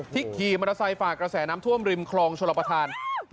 ขี่มอเตอร์ไซค์ฝากกระแสน้ำท่วมริมคลองชลประธาน